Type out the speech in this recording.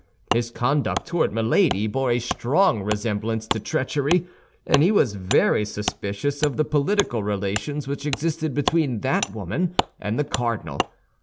His conduct toward Milady bore a strong resemblance to treachery, and he was very suspicious of the political relations which existed between that woman and the cardinal.